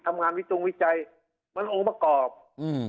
ทำงานวิจงวิจัยมันองค์ประกอบอืม